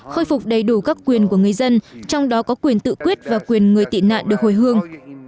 khôi phục đầy đủ các quyền của người dân trong đó có quyền tự quyết và quyền người tị nạn được hồi hương